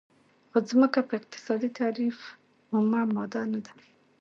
خو ځمکه په اقتصادي تعریف اومه ماده نه ده.